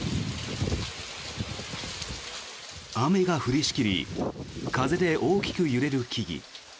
雨が降りしきり風で大きく揺れる木々。